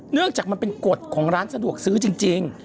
เนื่องจากมันเป็นกฎของร้านสะดวกซื้อจริง